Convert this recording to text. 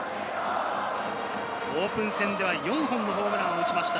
オープン戦では４本のホームランを打ちました